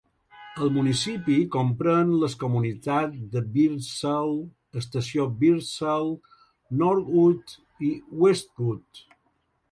El municipi comprèn les comunitats de Birdsall, Estació Birdsall, Norwood i Westwood.